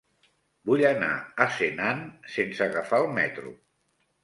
Vull anar a Senan sense agafar el metro.